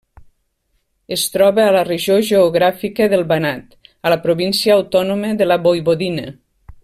Es troba a la regió geogràfica del Banat, a la província autònoma de la Voivodina.